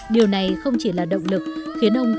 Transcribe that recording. điều này không chỉ là động lực khiến ông gắn bó